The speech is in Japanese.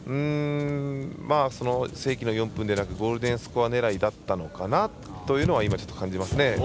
正規の４分ではなくゴールデンスコア狙いだったのかなというのは今ちょっと感じますね。